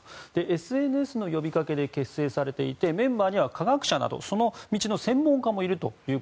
ＳＮＳの呼びかけで結成されていてメンバーには科学者などのその道の専門家がいると。